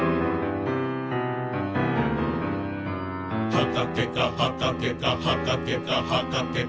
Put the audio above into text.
「はかけかはかけかはかけかはかけか」